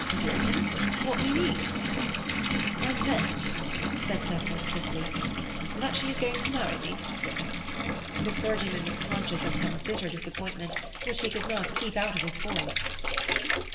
"Broken? What do you mean?" "I meant," said Cecil stiffly, "that she is going to marry me." The clergyman was conscious of some bitter disappointment which he could not keep out of his voice.